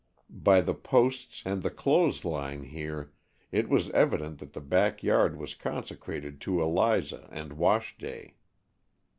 By the posts and the clothes lines here, it was evident that the back yard was consecrated to Eliza and wash day.